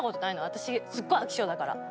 私すっごい飽き性だから。